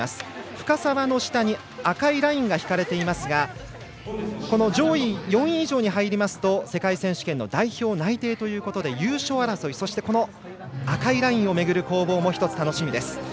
深沢の下に赤いラインが引かれていますがこの上位４位以上に入りますと世界選手権の代表内定ということで優勝争い、そして赤いラインをめぐる攻防も楽しみです。